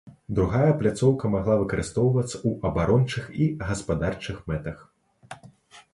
Другая пляцоўка магла выкарыстоўвацца ў абарончых і гаспадарчых мэтах.